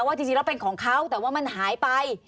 จริงแล้วเป็นของเขาแต่ว่ามันหายไป